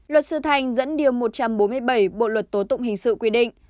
luật sư thành dẫn điều một trăm bốn mươi bảy bộ luật tố tụng hình sự quy định